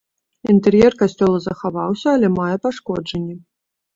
Інтэр'ер касцёла захаваўся, але мае пашкоджанні.